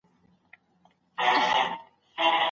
ډېر خلک په ورځني خوراک کې غوښه شاملوي.